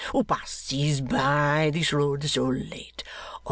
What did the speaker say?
Who passes by this road so late?